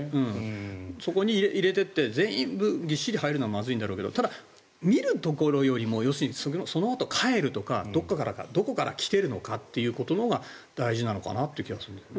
そこに入れていって全員分ぎっしり入るのはまずいんだろうけど見るところよりも要するに、そのあと帰るとかどこから来ているのかってことが大事なのかなっていう気がするんですよね。